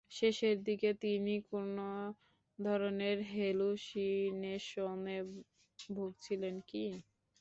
শেষের দিকে তিনি কোনো ধরনের হেলুসিনেশনে ভুগছিলেন কি?